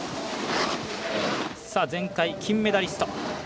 前回、金メダリスト。